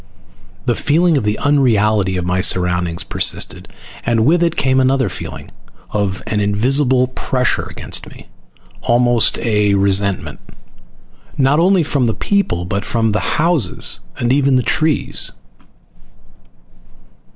The feeling of the unreality of my surroundings persisted, and with it came another feeling, of an invisible pressure against me. Almost a resentment. Not only from the people, but from the houses and even the trees.